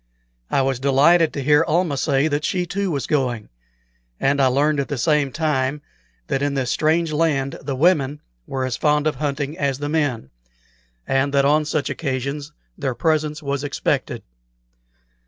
I was delighted to hear Almah say that she too was going; and I learned at the same time that in this strange land the women were as fond of hunting as the men, and that on such occasions their presence was expected.